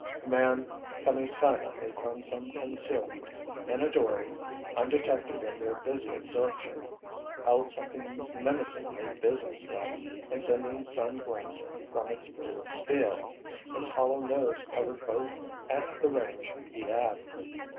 A man, coming silently from some concealment, in a dory, undetected in their busy absorption, held something menacingly businesslike and sending sun glints from its blue steel. Its hollow nose covered both at the range he had.